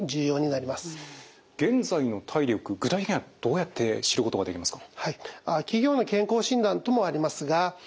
具体的にはどうやって知ることができますか？